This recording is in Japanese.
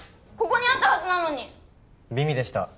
ここにあったはずなのに美味でした